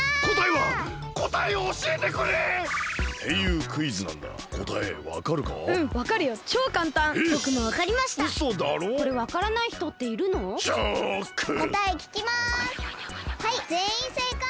はいぜんいんせいかい！